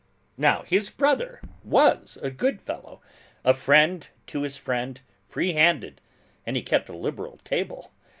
Now his brother was a good fellow, a friend to his friend, free handed, and he kept a liberal table.